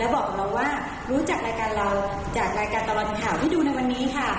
บอกกับเราว่ารู้จักรายการเราจากรายการตลอดข่าวที่ดูในวันนี้ค่ะ